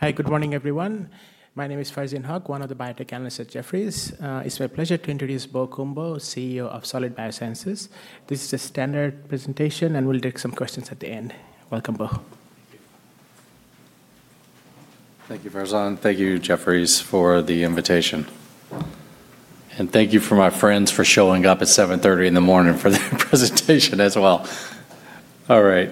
Hi, good morning, everyone. My name is Farzin Haque, one of the biotech analysts at Jefferies. It's my pleasure to introduce Bo Cumbo, CEO of Solid Biosciences. This is a standard presentation, and we'll take some questions at the end. Welcome, Bo. Thank you. Thank you, Farzin. Thank you, Jefferies, for the invitation. Thank you for my friends for showing up at 7:30 in the morning for the presentation as well. All right.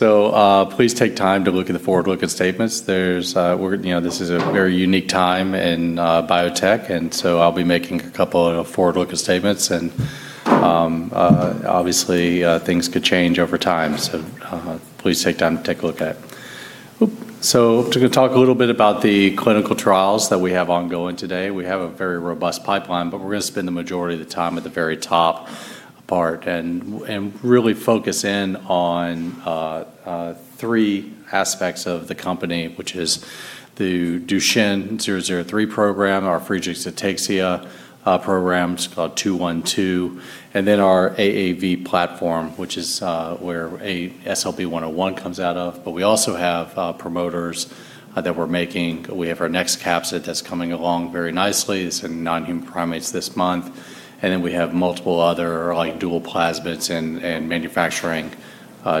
Please take time to look at the forward-looking statements. This is a very unique time in biotech, I'll be making a couple of forward-looking statements. Obviously, things could change over time, please take time to take a look at it. To talk a little bit about the clinical trials that we have ongoing today, we have a very robust pipeline, we're going to spend the majority of the time at the very top part and really focus in on three aspects of the company, which is the Duchenne 003 program, our Friedreich's ataxia program, it's called 212, and then our AAV platform, which is where SLB101 comes out of. We also have promoters that we're making. We have our next capsid that's coming along very nicely. It's in non-human primates this month. We have multiple other dual plasmids and manufacturing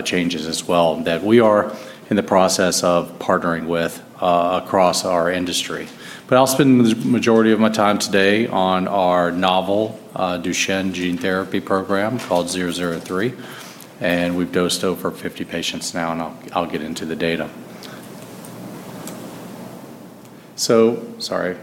changes as well that we are in the process of partnering with across our industry. I'll spend the majority of my time today on our novel Duchenne gene therapy program called 003, and we've dosed over 50 patients now, and I'll get into the data. Sorry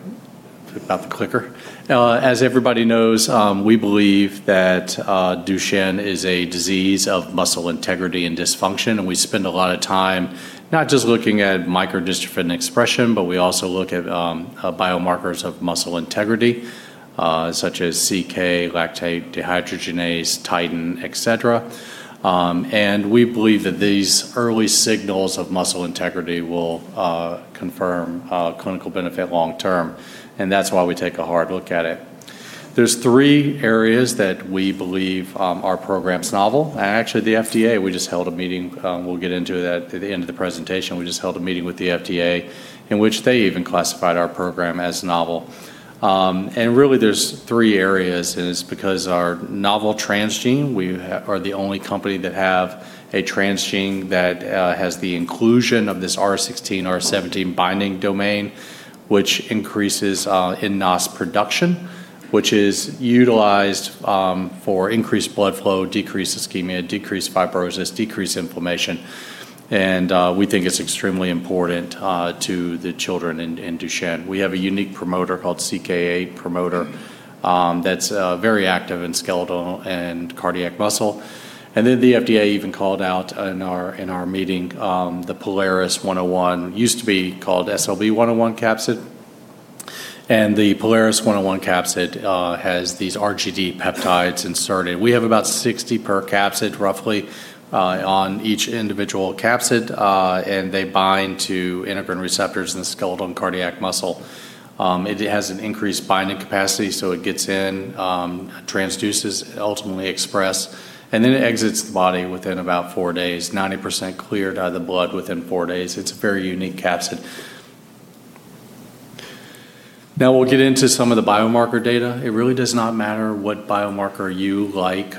about the clicker. As everybody knows, we believe that Duchenne is a disease of muscle integrity and dysfunction, and we spend a lot of time not just looking at micro-dystrophin expression, but we also look at biomarkers of muscle integrity, such as CK, lactate dehydrogenase, titin, et cetera. We believe that these early signals of muscle integrity will confirm clinical benefit long term. That's why we take a hard look at it. There's three areas that we believe our program's novel. Actually, the FDA, we just held a meeting, we'll get into that at the end of the presentation. We just held a meeting with the FDA in which they even classified our program as novel. Really, there's three areas, and it's because our novel transgene. We are the only company that have a transgene that has the inclusion of this R16, R17 binding domain, which increases eNOS production, which is utilized for increased blood flow, decreased ischemia, decreased fibrosis, decreased inflammation, and we think it's extremely important to the children in Duchenne. We have a unique promoter called CK8 promoter that's very active in skeletal and cardiac muscle. The FDA even called out in our meeting the POLARIS-101, used to be called SLB101 capsid. The POLARIS-101 capsid has these RGD peptides inserted. We have about 60 per capsid, roughly, on each individual capsid, and they bind to integrin receptors in the skeletal and cardiac muscle. It has an increased binding capacity, so it gets in, transduces, ultimately express, and then it exits the body within about four days, 90% cleared out of the blood within four days. It's a very unique capsid. Now we'll get into some of the biomarker data. It really does not matter what biomarker you like,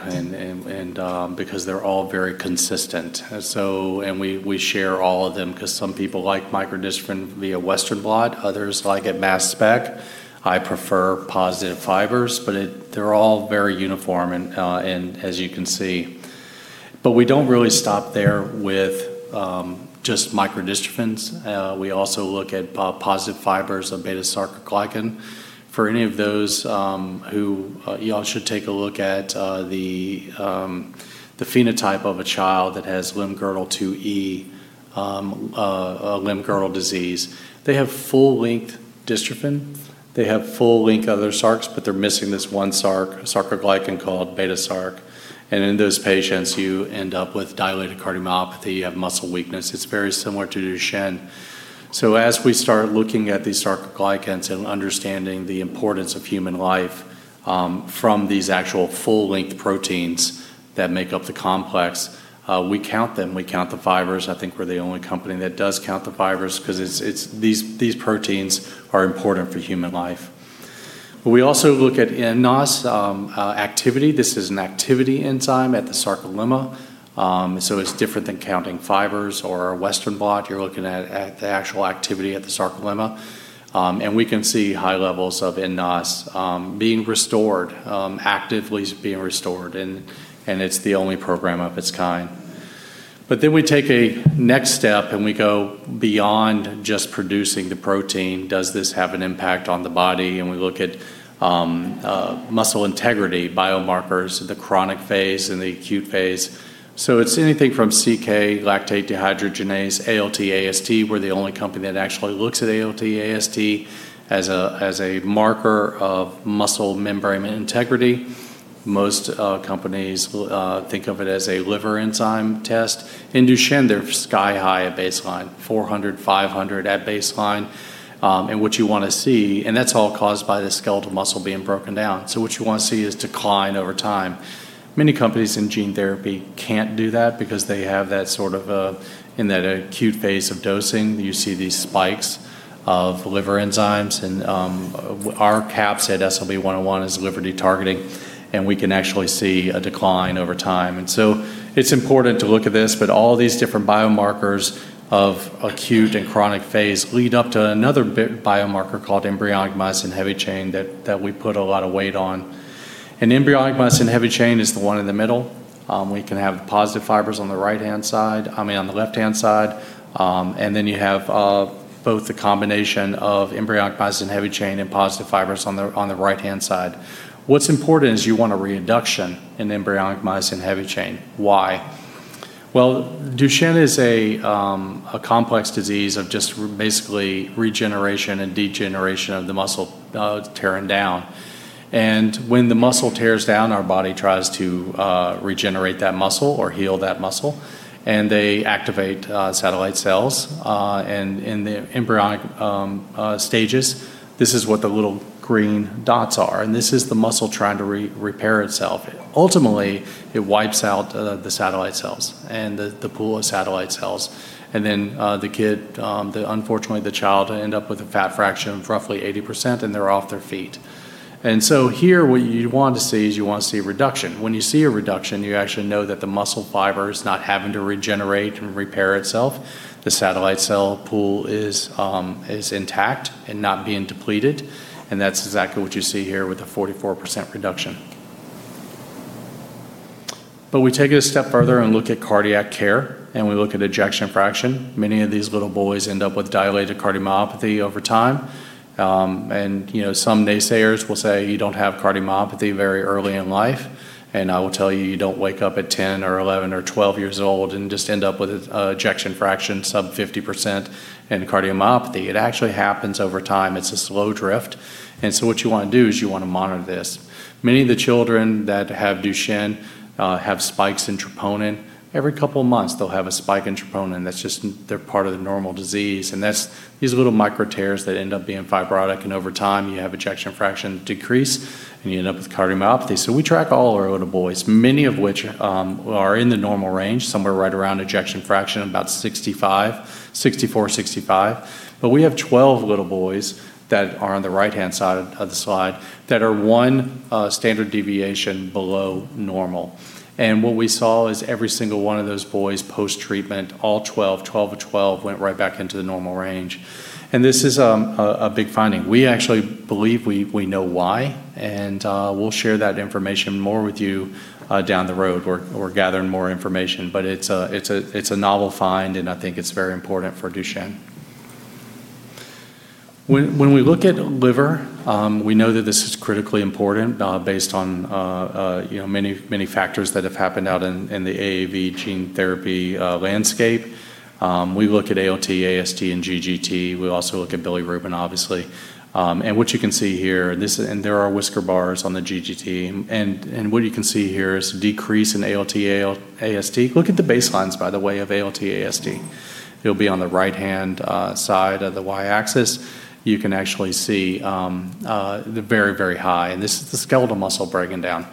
because they're all very consistent. We share all of them because some people like micro-dystrophin via Western blot, others like it mass spec. I prefer positive fibers, but they're all very uniform as you can see. We don't really stop there with just micro-dystrophins. We also look at positive fibers of beta-sarcoglycan. You all should take a look at the phenotype of a child that has limb-girdle 2E, limb-girdle disease. They have full length dystrophin. They have full length other sarcs, but they're missing this one sarc, sarcoglycan called beta sarc. In those patients, you end up with dilated cardiomyopathy. You have muscle weakness. It's very similar to Duchenne. As we start looking at these sarcoglycans and understanding the importance of human life from these actual full length proteins that make up the complex, we count them, we count the fibers. I think we're the only company that does count the fibers because these proteins are important for human life. We also look at nNOS activity. This is an activity enzyme at the sarcolemma. It's different than counting fibers or a Western blot. You're looking at the actual activity at the sarcolemma. We can see high levels of nNOS being restored, actively being restored, and it's the only program of its kind. We take a next step, and we go beyond just producing the protein. Does this have an impact on the body? We look at muscle integrity biomarkers, the chronic phase and the acute phase. It's anything from CK, lactate dehydrogenase, ALT, AST. We're the only company that actually looks at ALT, AST as a marker of muscle membrane integrity. Most companies think of it as a liver enzyme test. In Duchenne, they're sky high at baseline, 400, 500 at baseline. That's all caused by the skeletal muscle being broken down. What you want to see is decline over time. Many companies in gene therapy can't do that because they have that sort of In that acute phase of dosing, you see these spikes of liver enzymes, and our capsid SLB101 is liver de-targeting, and we can actually see a decline over time. It's important to look at this, but all these different biomarkers of acute and chronic phase lead up to another biomarker called embryonic myosin heavy chain that we put a lot of weight on. Embryonic myosin heavy chain is the one in the middle. We can have positive fibers I mean, on the left-hand side. You have both the combination of embryonic myosin heavy chain and positive fibers on the right-hand side. What's important is you want a reduction in embryonic myosin heavy chain. Why? Well, Duchenne is a complex disease of just basically regeneration and degeneration of the muscle tearing down. When the muscle tears down, our body tries to regenerate that muscle or heal that muscle, and they activate satellite cells. In the embryonic stages, this is what the little green dots are, and this is the muscle trying to repair itself. Ultimately, it wipes out the satellite cells and the pool of satellite cells. Then the kid, unfortunately, the child will end up with a fat fraction of roughly 80%, and they're off their feet. Here, what you want to see is you want to see a reduction. When you see a reduction, you actually know that the muscle fiber is not having to regenerate and repair itself. The satellite cell pool is intact and not being depleted. That's exactly what you see here with the 44% reduction. We take it a step further and look at cardiac care, and we look at ejection fraction. Many of these little boys end up with dilated cardiomyopathy over time. Some naysayers will say you don't have cardiomyopathy very early in life, and I will tell you don't wake up at 10 or 11 or 12 years old and just end up with ejection fraction sub 50% and cardiomyopathy. It actually happens over time. It's a slow drift. What you want to do is you want to monitor this. Many of the children that have Duchenne have spikes in troponin. Every couple of months, they'll have a spike in troponin. That's just their part of the normal disease, and that's these little micro tears that end up being fibrotic, and over time, you have ejection fraction decrease, and you end up with cardiomyopathy. We track all our little boys, many of which are in the normal range, somewhere right around ejection fraction of about 64, 65. We have 12 little boys that are on the right-hand side of the slide that are one standard deviation below normal. What we saw is every single one of those boys post-treatment, all 12 of 12 went right back into the normal range. This is a big finding. We actually believe we know why. We'll share that information more with you down the road. We're gathering more information. It's a novel find, and I think it's very important for Duchenne. When we look at liver, we know that this is critically important based on many factors that have happened out in the AAV gene therapy landscape. We look at ALT, AST, and GGT. We also look at bilirubin, obviously. What you can see here, and there are whisker bars on the GGT. What you can see here is decrease in ALT, AST. Look at the baselines, by the way, of ALT, AST. It'll be on the right-hand side of the Y-axis. You can actually see they're very, very high, and this is the skeletal muscle breaking down.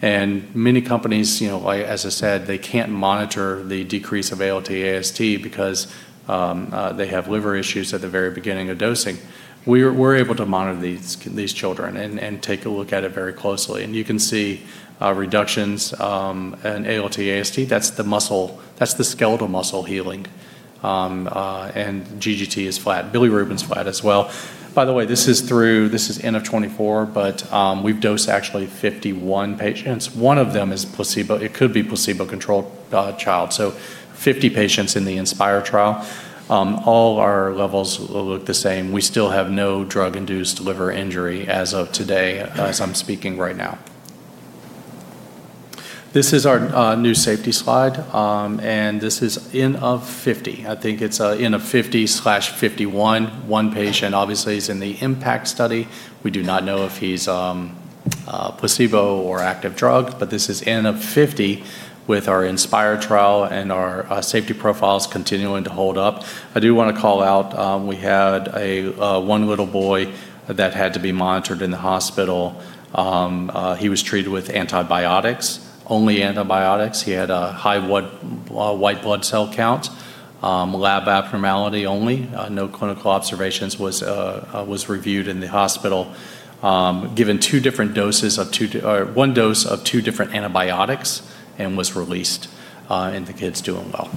Many companies, as I said, they can't monitor the decrease of ALT, AST because they have liver issues at the very beginning of dosing. We're able to monitor these children and take a look at it very closely. You can see reductions in ALT, AST. That's the skeletal muscle healing. GGT is flat. Bilirubin's flat as well. By the way, this is end of 2024, we've dosed actually 51 patients. One of them is placebo. It could be a placebo-controlled trial. 50 patients in the INSPIRE trial. All our levels look the same. We still have no drug-induced liver injury as of today, as I'm speaking right now. This is our new safety slide, this is end of 50. I think it's end of 50/51. One patient obviously is in the IMPACT study. We do not know if he's placebo or active drug. This is end of 50 with our INSPIRE trial and our safety profiles continuing to hold up. I do want to call out we had one little boy that had to be monitored in the hospital. He was treated with antibiotics, only antibiotics. He had a high white blood cell count, lab abnormality only. No clinical observations was reviewed in the hospital. Given one dose of two different antibiotics and was released. The kid's doing well.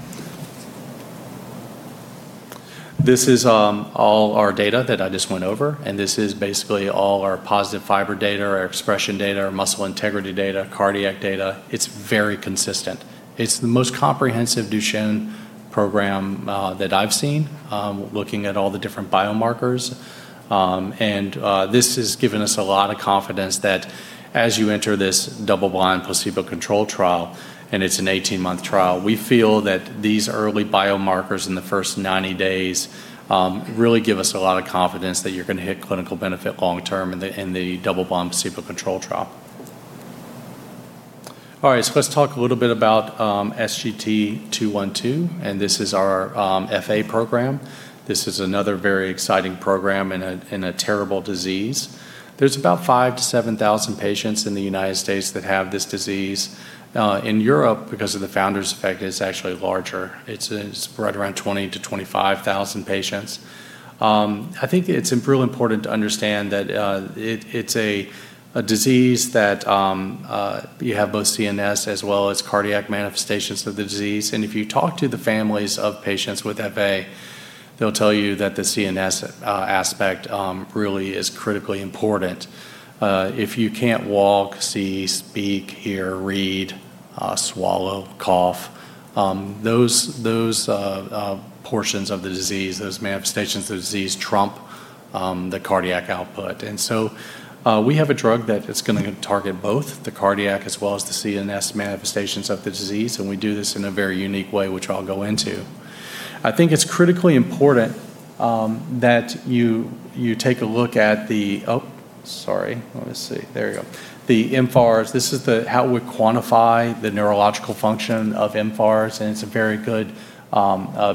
This is all our data that I just went over. This is basically all our positive fiber data, our expression data, our muscle integrity data, cardiac data. It's very consistent. It's the most comprehensive Duchenne program that I've seen looking at all the different biomarkers. This has given us a lot of confidence that as you enter this double-blind placebo-controlled trial, and it's an 18-month trial, we feel that these early biomarkers in the first 90 days really give us a lot of confidence that you're going to hit clinical benefit long term in the double-blind placebo-controlled trial. All right. Let's talk a little bit about SGT-212. This is our FA program. This is another very exciting program in a terrible disease. There's about 5,000 to 7,000 patients in the United States that have this disease. In Europe, because of the founder effect, it's actually larger. It's right around 20,000 to 25,000 patients. I think it's real important to understand that it's a disease that you have both CNS as well as cardiac manifestations of the disease. If you talk to the families of patients with FA, they'll tell you that the CNS aspect really is critically important. If you can't walk, see, speak, hear, read, swallow, cough, those portions of the disease, those manifestations of the disease, trump the cardiac output. We have a drug that is going to target both the cardiac as well as the CNS manifestations of the disease, and we do this in a very unique way, which I'll go into. I think it's critically important that you take a look at the Oh, sorry. Let me see. There we go. The mFARS. This is how we quantify the neurological function of mFARS, and it's a very good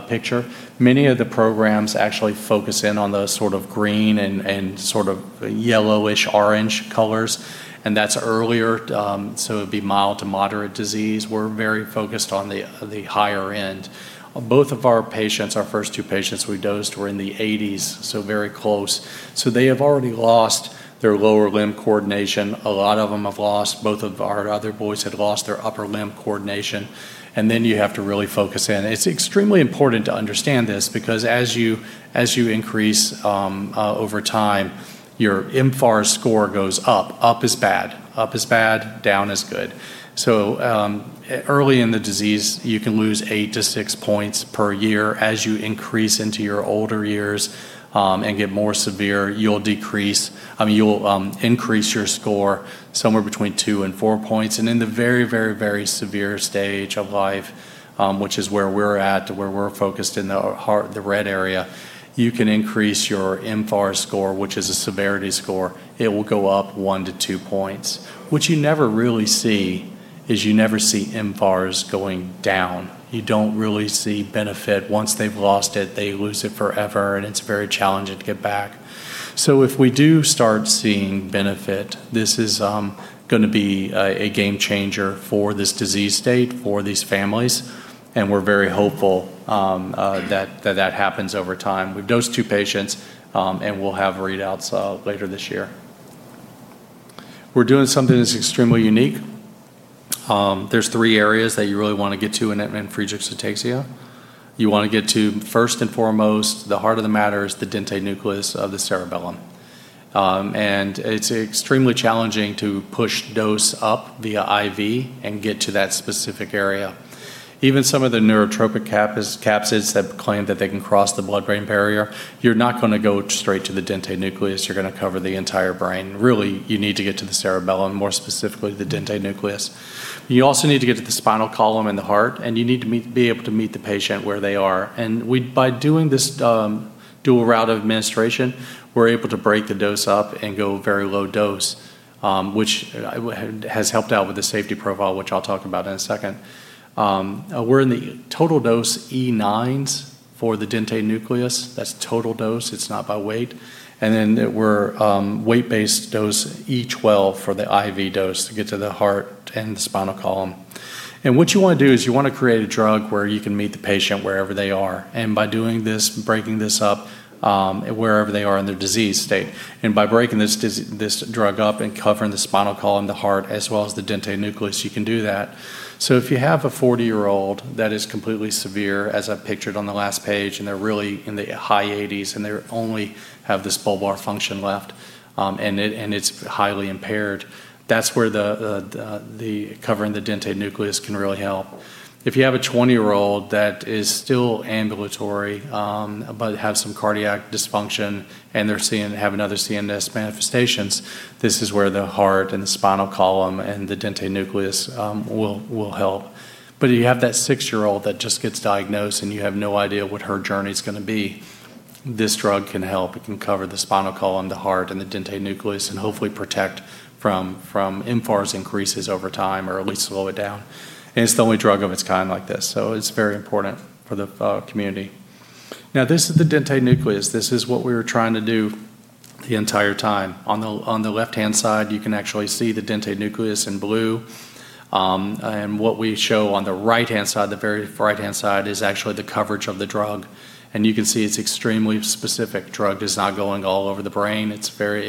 picture. Many of the programs actually focus in on the sort of green and sort of yellowish orange colors, and that's earlier. It'd be mild to moderate disease. We're very focused on the higher end. Both of our patients, our first two patients we dosed, were in the 80s, so very close. They have already lost their lower limb coordination. A lot of them have lost, both of our other boys had lost their upper limb coordination. You have to really focus in. It's extremely important to understand this because as you increase over time, your mFARS score goes up. Up is bad. Up is bad, down is good. Early in the disease, you can lose eight to six points per year. As you increase into your older years and get more severe, you'll increase your score somewhere between two and four points. In the very, very, very severe stage of life, which is where we're at, where we're focused in the red area, you can increase your mFARS score, which is a severity score. It will go up one to two points. What you never really see is you never see mFARS going down. You don't really see benefit. Once they've lost it, they lose it forever, and it's very challenging to get back. If we do start seeing benefit, this is going to be a game changer for this disease state for these families, and we're very hopeful that that happens over time. We've dosed two patients, and we'll have readouts later this year. We're doing something that's extremely unique. There's three areas that you really want to get to in Friedreich's ataxia. You want to get to, first and foremost, the heart of the matter is the dentate nucleus of the cerebellum. It's extremely challenging to push dose up via IV and get to that specific area. Even some of the neurotropic capsids have claimed that they can cross the blood-brain barrier. You're not going to go straight to the dentate nucleus. You're going to cover the entire brain. Really, you need to get to the cerebellum, more specifically, the dentate nucleus. You also need to get to the spinal column and the heart, and you need to be able to meet the patient where they are. By doing this dual route of administration, we're able to break the dose up and go very low dose, which has helped out with the safety profile, which I'll talk about in a second. We're in the total dose E9s for the dentate nucleus. That's total dose. It's not by weight. Then we're weight-based dose E12 for the IV dose to get to the heart and the spinal column. What you want to do is you want to create a drug where you can meet the patient wherever they are. By doing this, breaking this up wherever they are in their disease state, and by breaking this drug up and covering the spinal column, the heart, as well as the dentate nucleus, you can do that. If you have a 40-year-old that is completely severe, as I pictured on the last page, and they're really in the high 80s, and they only have this bulbar function left, and it's highly impaired, that's where covering the dentate nucleus can really help. If you have a 20-year-old that is still ambulatory, but has some cardiac dysfunction and they have another CNS manifestations, this is where the heart and the spinal column and the dentate nucleus will help. You have that six-year-old that just gets diagnosed, and you have no idea what her journey's going to be. This drug can help. It can cover the spinal column, the heart, and the dentate nucleus, and hopefully protect from mFARS increases over time or at least slow it down. It's the only drug of its kind like this, so it's very important for the community. This is the dentate nucleus. This is what we were trying to do the entire time. On the left-hand side, you can actually see the dentate nucleus in blue. What we show on the right-hand side, the very right-hand side, is actually the coverage of the drug. You can see it's extremely specific drug. It's not going all over the brain. It's very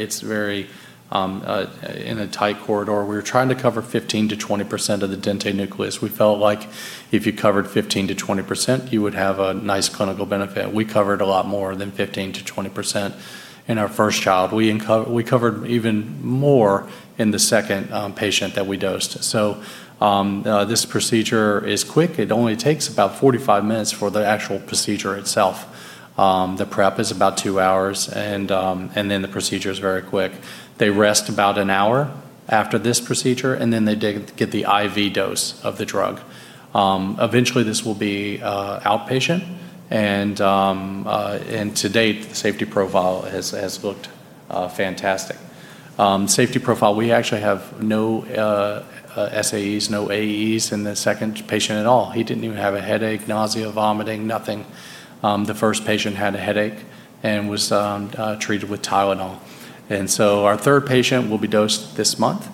in a tight corridor. We were trying to cover 15%-20% of the dentate nucleus. We felt like if you covered 15%-20%, you would have a nice clinical benefit. We covered a lot more than 15%-20% in our first child. We covered even more in the second patient that we dosed. This procedure is quick. It only takes about 45 minutes for the actual procedure itself. The prep is about two hours. The procedure is very quick. They rest about an hour after this procedure. They get the IV dose of the drug. Eventually, this will be outpatient. To date, the safety profile has looked fantastic. Safety profile, we actually have no SAEs, no AEs in the second patient at all. He didn't even have a headache, nausea, vomiting, nothing. The first patient had a headache and was treated with Tylenol. Our third patient will be dosed this month.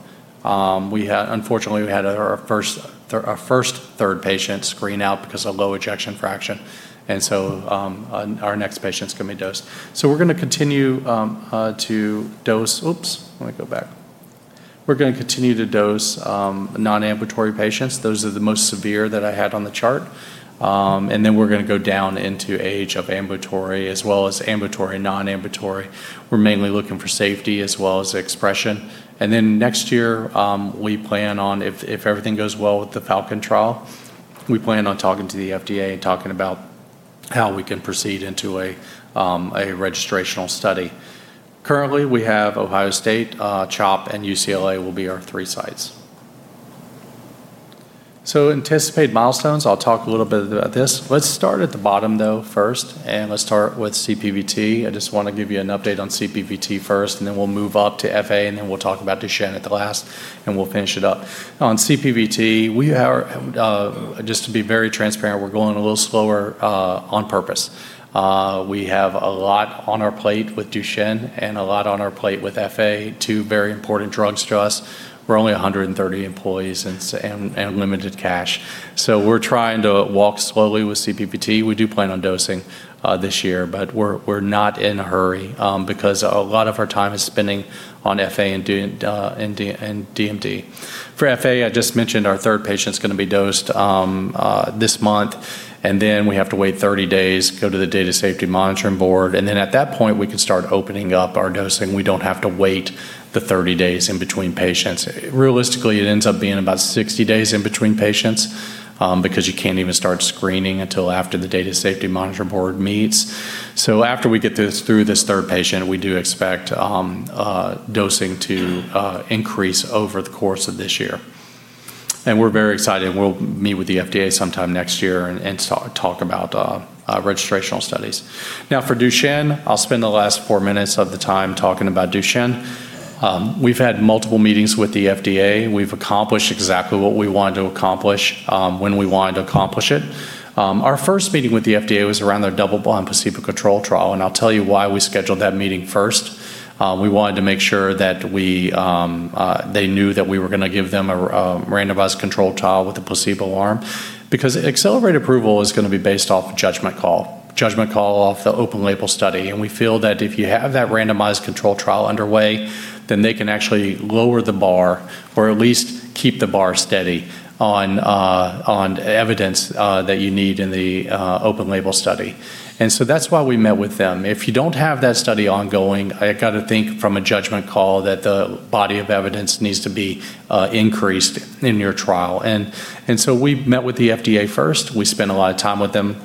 Unfortunately, we had our first third patient screen out because of low ejection fraction. Our next patient's going to be dosed. We're going to continue to dose non-ambulatory patients. Those are the most severe that I had on the chart. We're going to go down into age of ambulatory as well as ambulatory, non-ambulatory. We're mainly looking for safety as well as expression. Next year, if everything goes well with the FALCON trial, we plan on talking to the FDA and talking about how we can proceed into a registrational study. Currently, we have Ohio State, CHOP, and UCLA will be our three sites. Anticipated milestones, I'll talk a little bit about this. Let's start at the bottom though first, and let's start with CPVT. I just want to give you an update on CPVT first, and then we'll move up to FA, and then we'll talk about Duchenne at the last, and we'll finish it up. On CPVT, just to be very transparent, we're going a little slower on purpose. We have a lot on our plate with Duchenne and a lot on our plate with FA, two very important drugs to us. We're only 130 employees and limited cash. We're trying to walk slowly with CPVT. We do plan on dosing this year, but we're not in a hurry because a lot of our time is spending on FA and DMD. For FA, I just mentioned our third patient's going to be dosed this month, and then we have to wait 30 days, go to the Data Safety Monitoring Board, and then at that point we can start opening up our dosing. We don't have to wait the 30 days in between patients. Realistically, it ends up being about 60 days in between patients because you can't even start screening until after the Data Safety Monitoring Board meets. After we get through this third patient, we do expect dosing to increase over the course of this year. We're very excited. We'll meet with the FDA sometime next year and talk about registrational studies. For Duchenne, I'll spend the last four minutes of the time talking about Duchenne. We've had multiple meetings with the FDA. We've accomplished exactly what we wanted to accomplish when we wanted to accomplish it. Our first meeting with the FDA was around their double-blind placebo-controlled trial, and I'll tell you why we scheduled that meeting first. We wanted to make sure that they knew that we were going to give them a randomized control trial with a placebo arm because Accelerated Approval is going to be based off a judgment call, judgment call off the open-label study, we feel that if you have that randomized control trial underway, then they can actually lower the bar or at least keep the bar steady on evidence that you need in the open-label study. That's why we met with them. If you don't have that study ongoing, I got to think from a judgment call that the body of evidence needs to be increased in your trial. We met with the FDA first. We spent a lot of time with them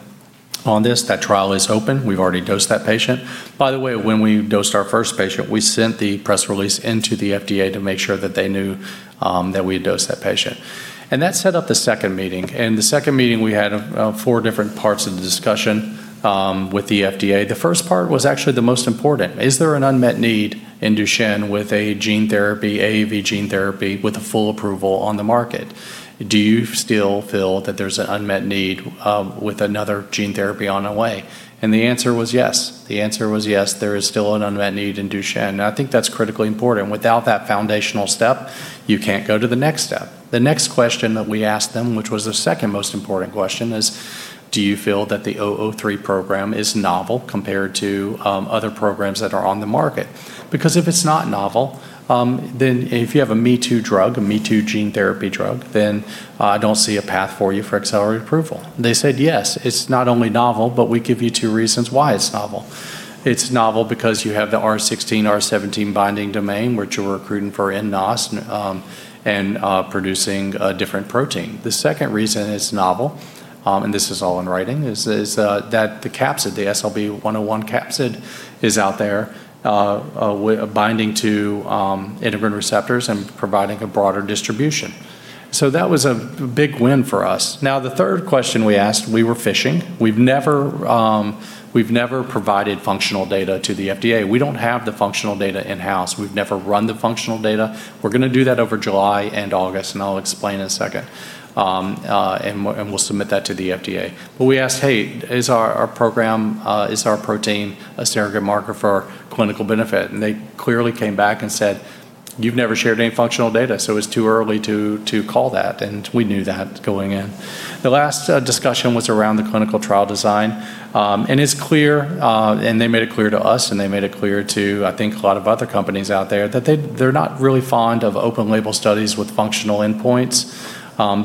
on this. That trial is open. We've already dosed that patient. By the way, when we dosed our first patient, we sent the press release into the FDA to make sure that they knew that we had dosed that patient. That set up the second meeting. In the second meeting, we had four different parts of the discussion with the FDA. The first part was actually the most important. Is there an unmet need in Duchenne with a gene therapy, AAV gene therapy with a full approval on the market? Do you still feel that there's an unmet need with another gene therapy on the way? The answer was yes. The answer was yes, there is still an unmet need in Duchenne. I think that's critically important. Without that foundational step, you can't go to the next step. The next question that we asked them, which was the second most important question, is do you feel that the 003 program is novel compared to other programs that are on the market? If it's not novel, then if you have a me-too drug, a me-too gene therapy drug, then I don't see a path for you for Accelerated Approval. They said, "Yes. It's not only novel, but we give you two reasons why it's novel. It's novel because you have the R16, R17 binding domain, which we're recruiting for nNOS and producing a different protein. The second reason it's novel, and this is all in writing, is that the capsid, the SLB101 capsid is out there binding to integrin receptors and providing a broader distribution. That was a big win for us. The third question we asked, we were fishing. We've never provided functional data to the FDA. We don't have the functional data in-house. We've never run the functional data. We're going to do that over July and August, and I'll explain in a second, and we'll submit that to the FDA. We asked, "Hey, is our program, is our protein a surrogate marker for clinical benefit?" They clearly came back and said, "You've never shared any functional data, so it's too early to call that." We knew that going in. The last discussion was around the clinical trial design. It's clear, they made it clear to us, they made it clear to I think a lot of other companies out there that they're not really fond of open label studies with functional endpoints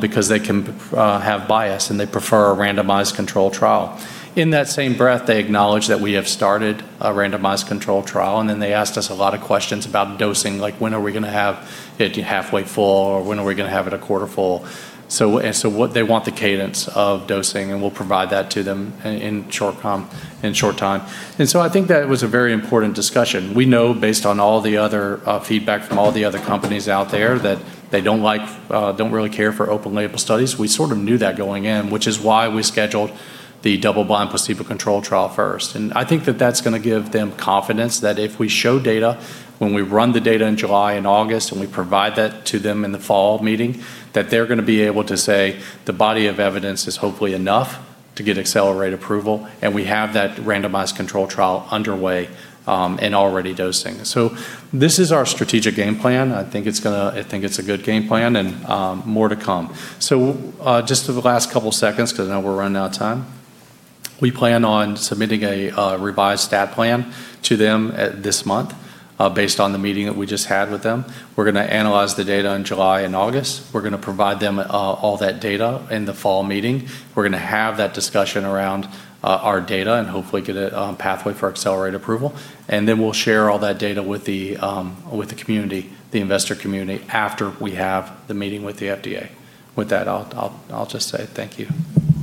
because they can have bias. They prefer a randomized control trial. In that same breath, they acknowledge that we have started a randomized control trial. They asked us a lot of questions about dosing, like when are we going to have it halfway full, or when are we going to have it a quarter full? They want the cadence of dosing, and we'll provide that to them in short time. I think that was a very important discussion. We know based on all the other feedback from all the other companies out there that they don't really care for open label studies. We sort of knew that going in, which is why we scheduled the double-blind placebo-controlled trial first. I think that that's going to give them confidence that if we show data when we run the data in July and August, and we provide that to them in the fall meeting, that they're going to be able to say the body of evidence is hopefully enough to get Accelerated Approval, and we have that randomized controlled trial underway and already dosing. This is our strategic game plan. I think it's a good game plan, and more to come. Just for the last couple seconds, because I know we're running out of time, we plan on submitting a revised stat plan to them this month based on the meeting that we just had with them. We're going to analyze the data in July and August. We're going to provide them all that data in the fall meeting. We're going to have that discussion around our data and hopefully get a pathway for accelerated approval. Then we'll share all that data with the community, the investor community, after we have the meeting with the FDA. With that, I'll just say thank you. Thank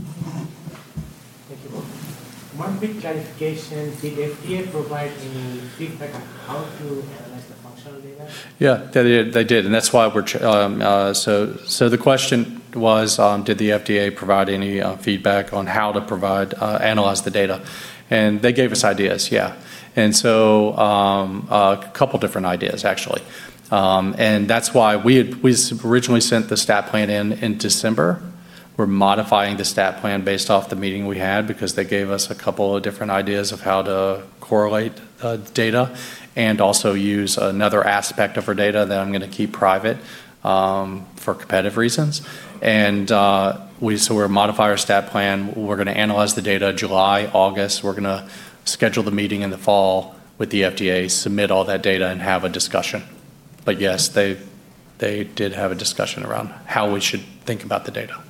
you, Bo. One quick clarification. Did FDA provide any feedback on how to analyze the functional data? Yeah, they did. The question was, did the FDA provide any feedback on how to analyze the data? They gave us ideas, yeah. A couple different ideas, actually. That's why we originally sent the stat plan in December. We're modifying the stat plan based off the meeting we had because they gave us a couple of different ideas of how to correlate data and also use another aspect of our data that I'm going to keep private for competitive reasons. We're modifying our stat plan. We're going to analyze the data July, August. We're going to schedule the meeting in the fall with the FDA, submit all that data, and have a discussion. Yes, they did have a discussion around how we should think about the data.